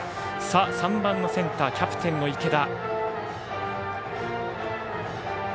３番のセンターキャプテンの池田。